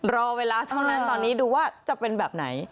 รอเวลาเท่านั้นตอนนี้ดูว่าจะเป็นแบบไหน